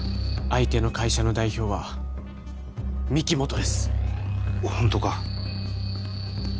相手の会社の代表は御木本ですホントか？